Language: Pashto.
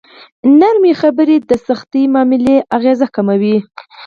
نرمې خبرې د سختې معاملې اغېز کموي.